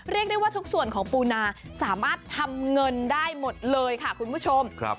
เรียกได้ว่าทุกส่วนของปูนาสามารถทำเงินได้หมดเลยค่ะคุณผู้ชม